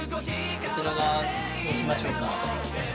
こちら側にしましょうか。